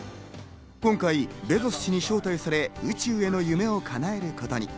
今回、ベゾス氏に招待され、宇宙への夢をかなえることに。